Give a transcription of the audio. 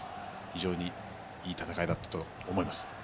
非常にいい戦いだったと思います。